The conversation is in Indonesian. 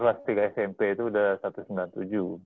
kelas tiga smp itu sudah satu ratus sembilan puluh tujuh